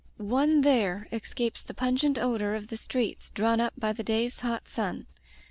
One there escapes the pungent odor of the streets drawn up by the day's hot sun.